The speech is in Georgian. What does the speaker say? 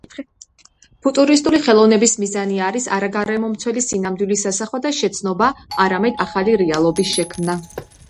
ფუტურისტული ხელოვნების მიზანი არის არა გარემომცველი სინამდვილის ასახვა და შეცნობა, არამედ ახალი რეალობის შექმნა.